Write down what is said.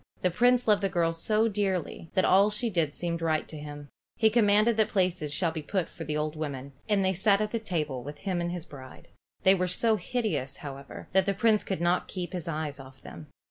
The Prince loved the girl so dearly that all she did seemed right to him. He commanded that places should be put for the old women, and they sat at the table with him and his bride. They were so hideous, however, that the Prince could not keep his eyes off them.